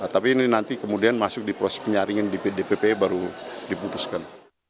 tapi ini nanti kemudian masuk di proses penyaringan di dpp baru diputuskan